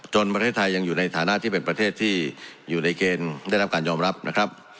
ประเทศไทยยังอยู่ในฐานะที่เป็นประเทศที่อยู่ในเกณฑ์ได้รับการยอมรับนะครับ